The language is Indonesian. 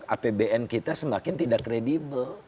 apbn kita semakin tidak kredibel